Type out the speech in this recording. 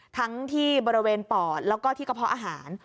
ทั้งที่บริเวณปอดแล้วก็ที่กระเพาะอาหาร